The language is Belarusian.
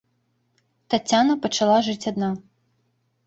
Таццяна пачала жыць адна.